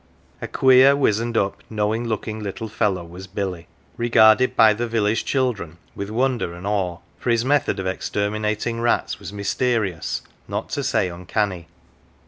A queer, wizened up, knowing looking little fellow was Billy, regarded by the village children with wonder and awe, for his method of exterminating rats was mys terious, not to say uncanny.